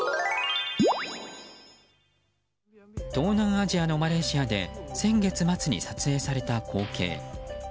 東南アジアのマレーシアで先月末に撮影された光景。